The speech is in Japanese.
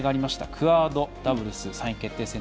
クアードダブルスの３位決定戦。